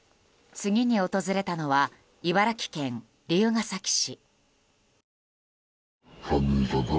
次に訪れたのは茨城県龍ケ崎市。